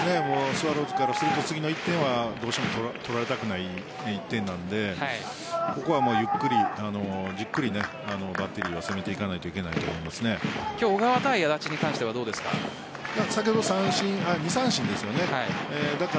スワローズからすると次の１点はどうしても取られたくない１点なのでここはゆっくりじっくりバッテリーは攻めていかないといけないと小川対安達に関してはどうですか？